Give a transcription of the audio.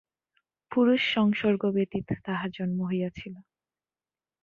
পুরুষসংসর্গ ব্যতীত তাঁহার জন্ম হইয়াছিল।